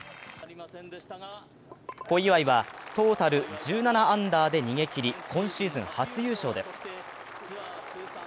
小祝は、トータル１７アンダーで逃げきり今シーズン初優勝です。